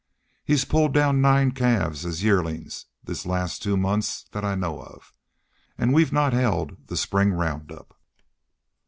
He's pulled down nine calves as' yearlin's this last two months thet I know of. An' we've not hed the spring round up."